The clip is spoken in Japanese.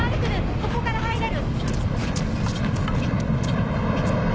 ここから入れる！